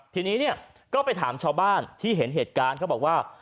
ทีนี้เนี่ยก็ไปถามชาวบ้านที่เห็นเหตุการณ์เขาบอกว่า